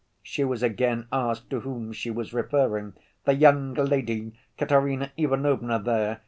She was again asked to whom she was referring. "The young lady, Katerina Ivanovna there.